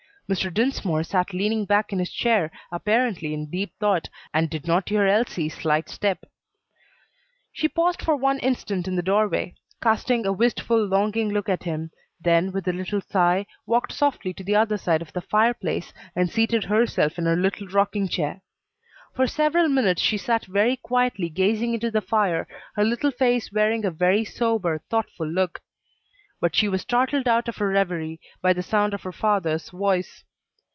Mr. Dinsmore sat leaning back in his chair, apparently in deep thought, and did not hear Elsie's light step. She paused for one instant in the doorway, casting a wistful, longing look at him, then, with a little sigh, walked softly to the other side of the fire place, and seated herself in her little rocking chair. For several minutes she sat very quietly gazing into the fire, her little face wearing a very sober, thoughtful look. But she was startled out of her reverie by the sound of her father's voice.